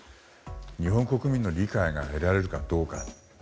日本国民の理解が得られるかどうか。